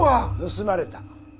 盗まれた。